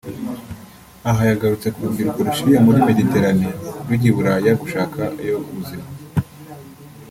Aha yagarutse ku rubyiruko rushiriye muri Mediterane rujya i Buraya gushakayo ubuzima